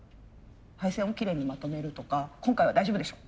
配線をきれいにまとめるとか今回は大丈夫でしょ！